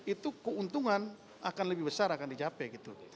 itu keuntungan akan lebih besar akan dicapai gitu